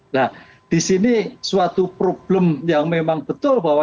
nah disini suatu problem yang memang betul bahwa